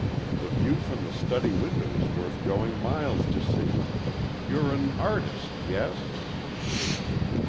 The view from the study window is worth going miles to see. You're an artist,—yes?"